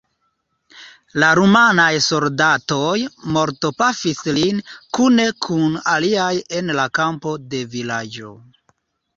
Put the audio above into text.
La rumanaj soldatoj mortpafis lin kune kun aliaj en la kampo de vilaĝo.